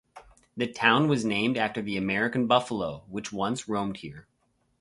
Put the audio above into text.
The town was named after the American buffalo which once roamed here.